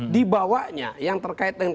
dibawanya yang terkait dengan